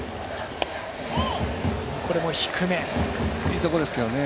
いいところですけどね。